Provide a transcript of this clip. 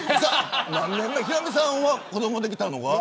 ヒロミさんは子どもできたのは。